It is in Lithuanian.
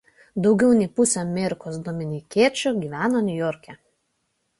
Daugiau nei pusė Amerikos dominikiečių gyveno Niujorke.